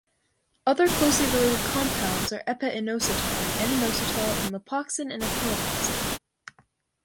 Other closely related compounds are epi-inositol and inositol and lipoxin and epilipoxin.